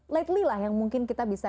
litely lah yang mungkin kita bisa